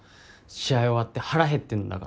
試合終わって腹減ってんだから。